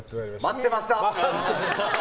待ってました！